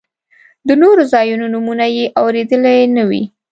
د نورو ځایونو نومونه یې اورېدلي نه وي.